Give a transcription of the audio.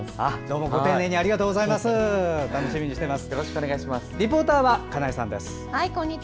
ご丁寧にありがとうございます。